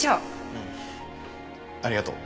うんありがとう。